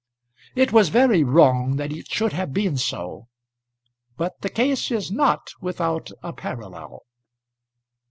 It was very wrong that it should have been so, but the case is not without a parallel.